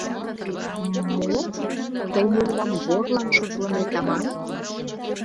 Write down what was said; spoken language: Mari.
— М-мо... тый мемнам ворлан шотлынет аман?..